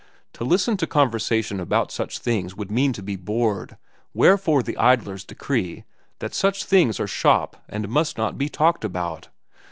To listen to conversation about such things would mean to be bored, wherefore the idlers decree that such things are shop and must not be talked about.